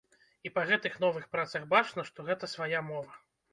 І па гэтых новых працах бачна, што гэта свая мова.